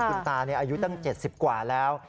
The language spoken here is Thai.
คุณตาอายุตั้ง๗๐กว่าแล้ว